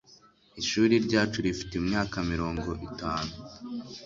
ishuri ryacu rifite imyaka mirongo itanu